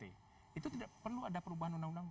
itu tidak perlu ada perubahan undang undang